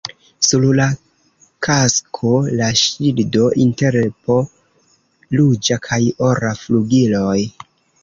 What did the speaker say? Sur la kasko la ŝildo inter po ruĝa kaj ora flugiloj.